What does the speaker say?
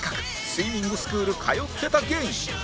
スイミングスクール通ってた芸人